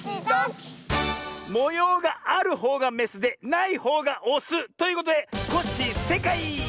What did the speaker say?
もようがあるほうがメスでないほうがオスということでコッシーせいかい！